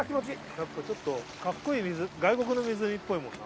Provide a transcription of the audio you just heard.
やっぱちょっとかっこいい外国の湖っぽいもんな。